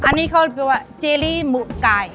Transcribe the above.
อันนี้เขาเรียกว่าเจรี่หมูไก่